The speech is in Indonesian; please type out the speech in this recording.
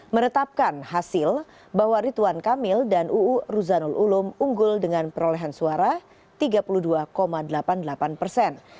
menetapkan hasil bahwa rituan kamil dan uu ruzanul ulum unggul dengan perolehan suara tiga puluh dua delapan puluh delapan persen